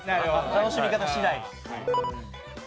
楽しみ方次第。